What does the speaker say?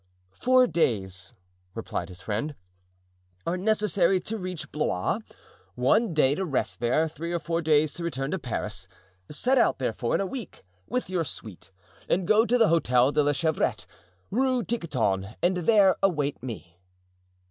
"Four days," replied his friend, "are necessary to reach Blois; one day to rest there; three or four days to return to Paris. Set out, therefore, in a week, with your suite, and go to the Hotel de la Chevrette, Rue Tiquetonne, and there await me."